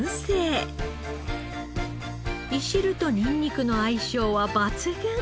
いしるとニンニクの相性は抜群。